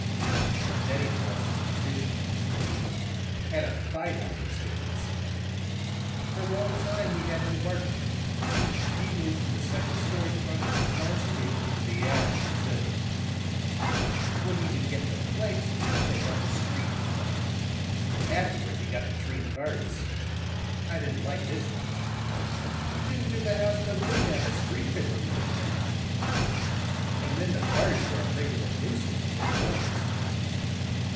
"But then he lost his position. Had a fight, I understand, with somebody. For a long time he had no work; he moved from the second story front at six dollars a week into the attic at two. When he could get no place, he went on the street and played; afterwards he got the trained birds. I didn't like this much. It didn't do the house no good to have a street fiddler living in it; and then the birds were a regular nuisance with their noise.